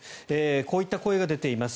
こういった声が出ています。